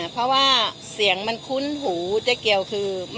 เพราะว่าเสียงมันคุ้นหูเจ๊เกียวคือ